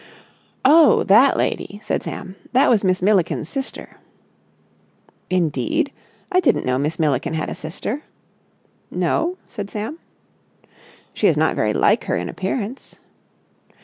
"Oh, that lady," said Sam. "That was Miss Milliken's sister." "Indeed? I didn't know Miss Milliken had a sister." "No?" said Sam. "She is not very like her in appearance."